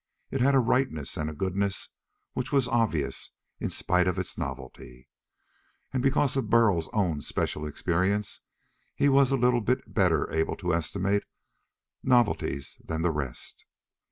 It had a rightness and a goodness which was obvious in spite of its novelty. And because of Burl's own special experiences, he was a little bit better able to estimate novelties than the rest.